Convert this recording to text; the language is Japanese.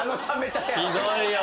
ひどいよ。